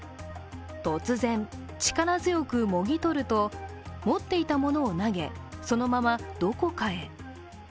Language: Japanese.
突然、力強くもぎ取ると、持っていたものを投げ、そのままどこかへ。